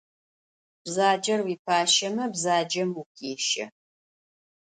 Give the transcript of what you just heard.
Bzacer vuipaşeme, bzacem vuxêşe.